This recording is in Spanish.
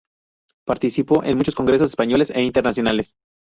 Participó en muchos congresos españoles e internacionales.